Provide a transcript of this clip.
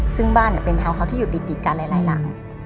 ซึ่งบ้านเป็นทาวน์ฮาส์ที่อยู่ติดกันหลายหลัง